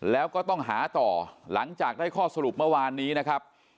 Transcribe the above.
แล้วก็ต้องหาต่อหลังจากได้ข้อสรุปเมื่อวานนี้นะครับ